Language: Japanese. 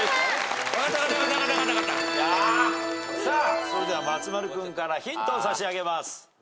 さあそれでは松丸君からヒントを差し上げます。